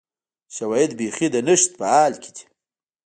شواهد بیخي د نشت په حال کې دي